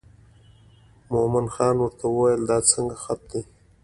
مومن خان ورته وویل دا څنګه خط دی.